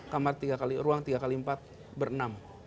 kamar tiga kali ruang tiga x empat berenam